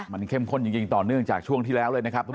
มันเข้มข้นจริงต่อเนื่องจากช่วงที่แล้วเลยนะครับทุกผู้